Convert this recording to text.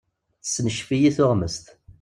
Tessencef-iyi tuɣmest.